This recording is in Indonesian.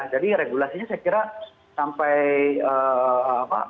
jadi regulasinya saya kira sampai apa